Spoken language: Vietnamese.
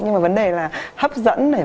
nhưng mà vấn đề là hấp dẫn này